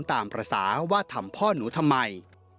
ตามภาษาว่าทำพ่อหนูทำไม